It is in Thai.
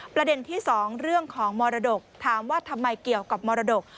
ประเด็นที่๒เรื่องของมรดกถามว่าทำไมเกี่ยวกับมรดก